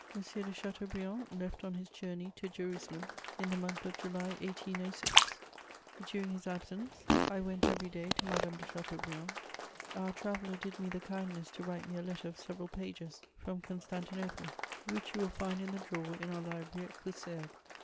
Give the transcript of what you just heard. de Chateaubriand left on his journey to Jerusalem in the month of July 1806: during his absence I went every day to Madame de Chateaubriand. Our traveller did me the kindness to write me a letter of several pages from Constantinople, which you will find in the drawer in our library at Coussergues.